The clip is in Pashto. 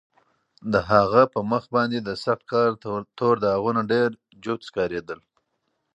د هغه په مخ باندې د سخت کار تور داغونه ډېر جوت ښکارېدل.